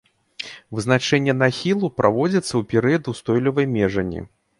Вызначэнне нахілу праводзіцца у перыяд устойлівай межані.